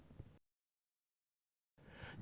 những cuộc nổi dậy mà